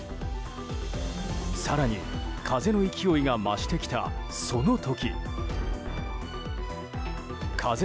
更に、風の勢いが増してきたその時。